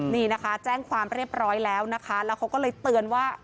นี่นะคะแจ้งความเรียบร้อยแล้วนะคะแล้วเขาก็เลยเตือนว่า